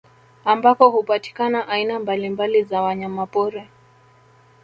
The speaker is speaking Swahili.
Ambako hupatikana aina mbalimbali za wanyamapori